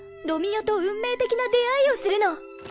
ロミ代と運命的な出会いをするの。